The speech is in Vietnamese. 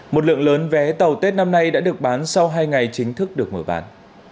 một lượng lớn vé tàu tết năm nay đã được bán sau hai ngày chính thức được mở bán